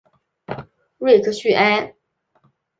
瑞克叙埃。